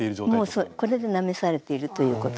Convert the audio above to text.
もうこれでなめされてるということです。